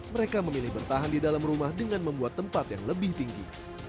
mereka memilih bertahan di dalam rumah dengan membuat tempat yang lebih tinggi